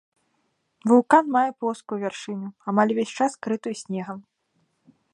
Вулкан мае плоскую вяршыню, амаль увесь час укрытую снегам.